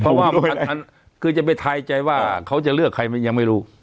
เพราะว่าคือจะไปทายใจว่าเขาจะเลือกใครมันยังไม่รู้